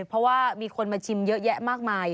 เพราะว่ามีคนมาชิมเยอะแยะมากมาย